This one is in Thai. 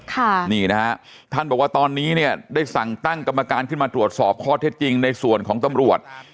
ค่ะนี่นะฮะท่านบอกว่าตอนนี้เนี่ยได้สั่งตั้งกรรมการขึ้นมาตรวจสอบข้อเท็จจริงในส่วนของตำรวจ